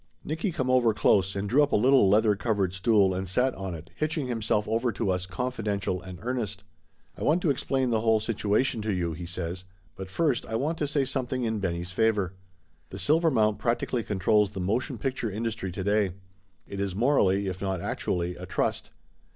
Nicky come over close and drew up a little leather covered stool and sat on it, hitching himself over to us confidential and earnest. "I want to explain the whole situation to you," he says, "but first I want to say something in Benny's favor. The Silvermount practically controls the mo tion picture industry today. It is, morally if not actu ally, a trust.